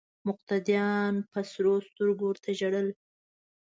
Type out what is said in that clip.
مقتدیانو په سرو سترګو ورته ژړل.